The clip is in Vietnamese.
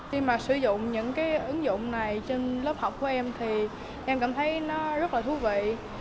khi mà sử dụng những cái ứng dụng này trên lớp học của em thì em cảm thấy nó rất là thú vị